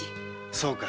そうか。